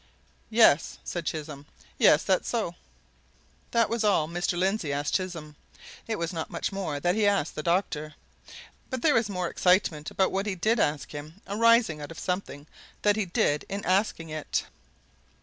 "Yes," said Chisholm. "Yes that's so." That was all Mr. Lindsey asked Chisholm. It was not much more that he asked the doctor. But there was more excitement about what he did ask him arising out of something that he did in asking it.